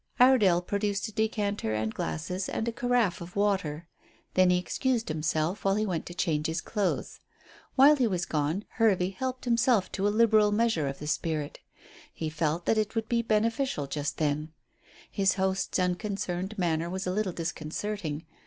Iredale produced a decanter and glasses and a carafe of water. Then he excused himself while he went to change his clothes. While he was gone Hervey helped himself to a liberal measure of the spirit. He felt that it would be beneficial just then. His host's unconcerned manner was a little disconcerting.